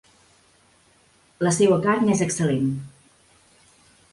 La seua carn és excel·lent.